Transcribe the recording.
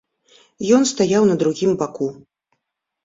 Ён стаяў на другім баку.